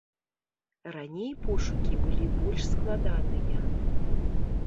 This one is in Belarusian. Раней пошукі былі больш складаныя.